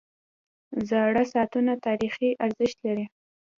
• زاړه ساعتونه تاریخي ارزښت لري.